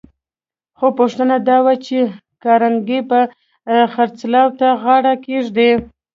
خو پوښتنه دا وه چې کارنګي به خرڅلاو ته غاړه کېږدي؟